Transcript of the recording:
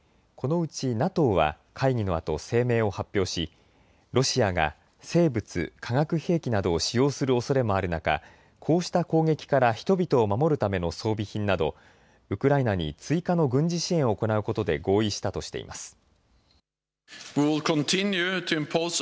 このうちＮＡＴＯは会議のあと声明を発表しロシアが生物・化学兵器などを使用するおそれもある中、こうした攻撃から人々を守るための装備品などウクライナに追加の軍事支援を行うことで合意したとしています。